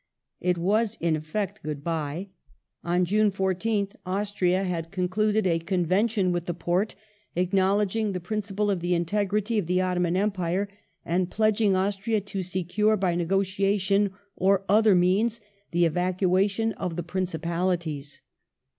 It was in effect good bye. On June 14th Austria had concluded a convention with the Porte acknowledging the principle of the integrity of the Otto man Empire, and pledging Austria to secure by negotiation or other means the evacuation of the Principalities.